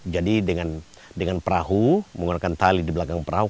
jadi dengan perahu menggunakan tali di belakang perahu